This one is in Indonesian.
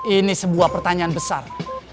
ini sebuah pertanyaan besar